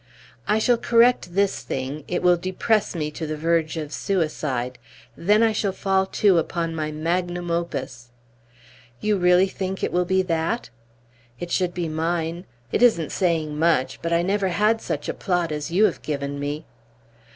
"I shall correct this thing. It will depress me to the verge of suicide. Then I shall fall to upon my magnum opus." "You really think it will be that?" "It should be mine. It isn't saying much; but I never had such a plot as you have given me!"